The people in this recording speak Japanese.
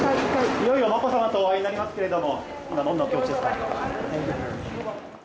いよいよまこさまとお会いになりますけれども、今、どんなお気持ちですか？